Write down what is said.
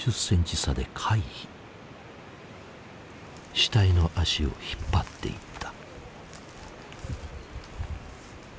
死体の足を引っ張っていった。